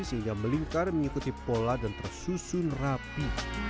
sehingga melingkar mengikuti pola dan tersusun rapi